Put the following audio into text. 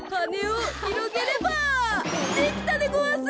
できたでごわす！